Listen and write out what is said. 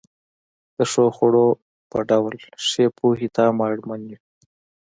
د ښو خوړو په ډول ښې پوهې ته هم اړمن یو.